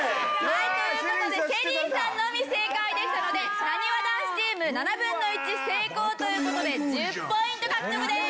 はいという事でＳＨＥＬＬＹさんのみ正解でしたのでなにわ男子チーム７分の１成功という事で１０ポイント獲得です！